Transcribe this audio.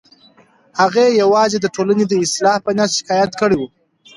هغې یوازې د ټولنې د اصلاح په نیت شکایت کړی و.